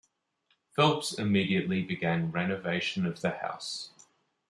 Phelps immediately began renovation of the house.